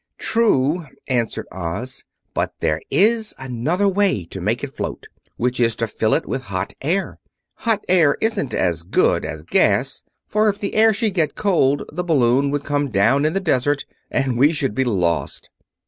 "True," answered Oz. "But there is another way to make it float, which is to fill it with hot air. Hot air isn't as good as gas, for if the air should get cold the balloon would come down in the desert, and we should be lost."